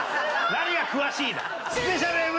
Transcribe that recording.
何が詳しいだ。